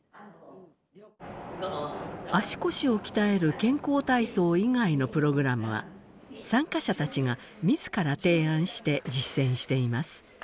足腰を鍛える健康体操以外のプログラムは参加者たちが自ら提案して実践しています。